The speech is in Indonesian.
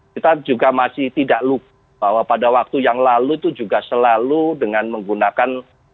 kita juga masih tidak lupa bahwa pada waktu yang lalu itu juga selalu dengan menggunakan